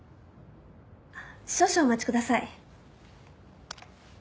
少々お待ちください。